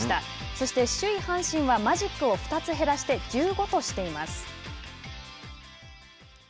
そして首位阪神はマジックを２つ減らして１５としています。